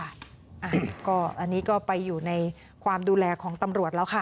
อันนี้ก็ไปอยู่ในความดูแลของตำรวจแล้วค่ะ